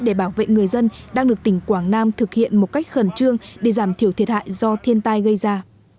để bảo vệ người dân đang được tỉnh quảng nam thực hiện một cách khẩn trương để giảm thiểu thiệt hại do thiên tai gây ra